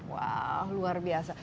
wah luar biasa